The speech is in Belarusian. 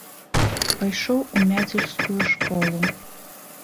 Пайшоў у мядзельскую школу.